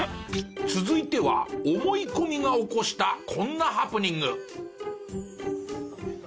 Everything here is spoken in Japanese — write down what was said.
続いては思い込みが起こしたこんなハプニング。